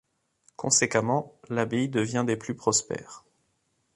Conséquemment l'abbaye devient des plus prospères.